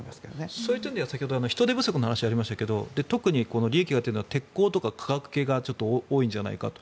そういう点では先ほど人手不足の話がありましたが特に利益が出ているのは鉄鋼とか化学系がちょっと多いんじゃないかと。